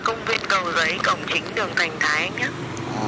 công viên cầu giấy cổng chính đường thành thái anh ạ